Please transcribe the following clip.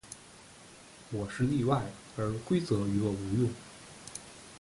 我是例外，而规则于我无用。